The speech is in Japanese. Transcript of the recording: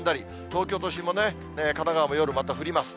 東京都心も、神奈川も夜、また雨が降ります。